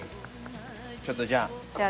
ちょっとじゃあ。